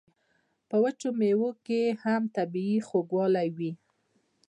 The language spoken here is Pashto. په وچو میوو کې هم طبیعي خوږوالی وي.